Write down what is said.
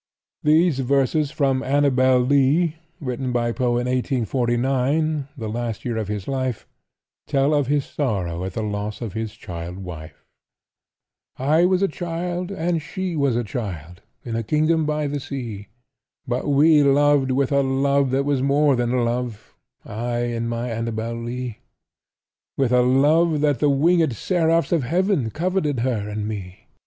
These verses from "Annabel Lee," written by Poe in 1849, the last year of his life, tell of his sorrow at the loss of his child wife: I was a child and she was a child, In a kingdom by the sea; But we loved with a love that was more than love— I and my Annabel Lee; With a love that the winged seraphs of heaven Coveted her and me.